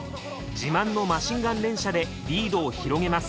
自慢のマシンガン連射でリードを広げます。